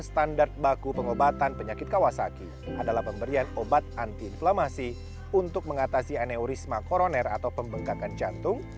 standar baku pengobatan penyakit kawasaki adalah pemberian obat anti inflamasi untuk mengatasi aneurisma koroner atau pembengkakan jantung